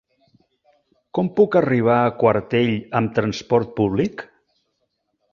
Com puc arribar a Quartell amb transport públic?